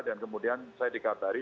dan kemudian saya dikabari